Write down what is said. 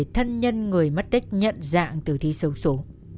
thân nhân người mất tích nhận dạng tử thi sâu số